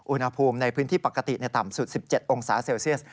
อุณหภูมิในพื้นที่ปกติต่ำสุด๑๗องศาเซลเซียส